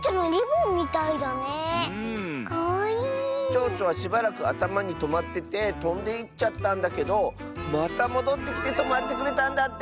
ちょうちょはしばらくあたまにとまっててとんでいっちゃったんだけどまたもどってきてとまってくれたんだって！